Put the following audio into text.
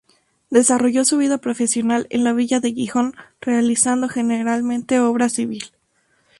Desarrolló su vida profesional en la villa de Gijón, realizando generalmente Obra Civil.